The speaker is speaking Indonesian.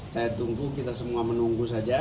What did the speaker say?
saya tunggu kita semua menunggu saja